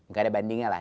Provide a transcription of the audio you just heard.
gak ada bandingnya lah